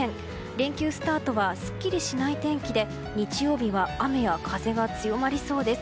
連休スタートはすっきりしない天気で日曜日は雨や風が強まりそうです。